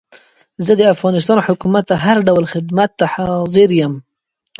زه د افغانستان حکومت ته هر ډول خدمت ته حاضر یم.